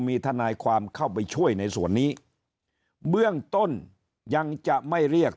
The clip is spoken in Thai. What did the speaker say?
มีทนายความเข้าไปช่วยในส่วนนี้เบื้องต้นยังจะไม่เรียก